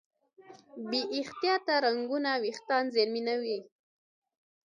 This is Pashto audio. بې احتیاطه رنګونه وېښتيان زیانمنوي.